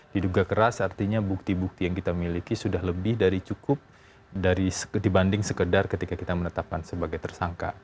diduga keras artinya bukti bukti yang kita miliki sudah lebih dari cukup dibanding sekedar ketika kita menetapkan sebagai tersangka